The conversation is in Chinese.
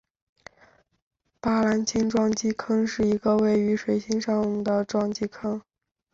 巴兰钦撞击坑是一个位于水星上的撞击坑。